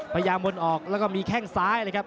พยายามวนออกแล้วก็มีแข่งซ้ายเลยครับ